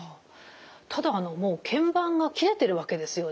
ただあのもうけん板が切れてるわけですよね。